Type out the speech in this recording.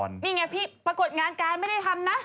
นี่ไงพี่ปรากฏงานการไม่ได้ทำนะ